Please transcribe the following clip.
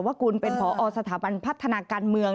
ว่าคุณเป็นผอสถาบันพัฒนาการเมือง